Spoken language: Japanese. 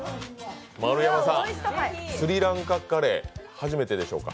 丸山さん、スリランカカレー初めてでしょうか？